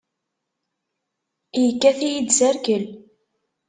Yekkat-iyi-d s rrkel!